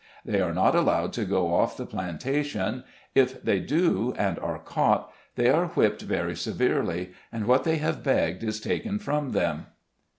They are not allowed to go off the plantation ; if they do and are caught, they are whipped very severely, and what they have begged is taken from them.